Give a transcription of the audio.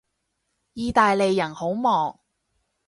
意大利人好忙